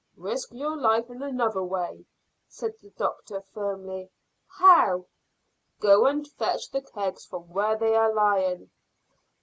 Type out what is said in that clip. "Risk your life in another way," said the doctor firmly. "How?" "Go and fetch in the kegs from where they are lying."